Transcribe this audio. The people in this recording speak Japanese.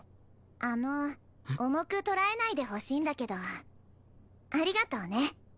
あの重く捉えないでほしいんだけどありがとうね